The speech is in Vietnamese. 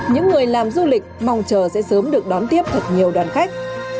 những người làm du lịch mong chờ sẽ sớm được đón tiếp thật nhiều đoàn khách